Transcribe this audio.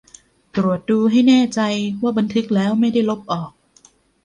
ตรวจดูให้แน่ใจว่าบันทึกแล้วไม่ได้ลบออก